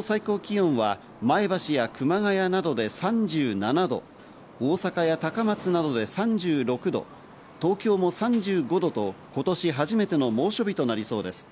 最高気温は前橋や熊谷などで３７度、大阪や高松などで３６度、東京も３５度と今年初めての猛暑日となりそうです。